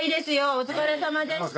お疲れさまでした！